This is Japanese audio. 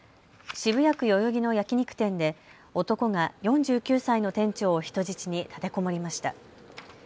渋谷区代々木の焼き肉店で男が４９歳の店長を人質に立てこもりました。